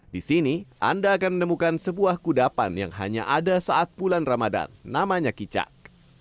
di sini anda akan menemukan sebuah kudapan yang hanya ada saat bulan ramadan namanya kicak